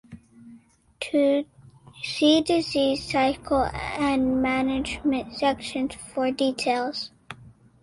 See disease cycle and management sections for details.